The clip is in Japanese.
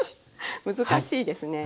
難しいですね。